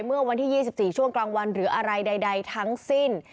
เมื่อวันที่๒๔ช่วงกลางวันหรืออะไรใดทั้งสิ้น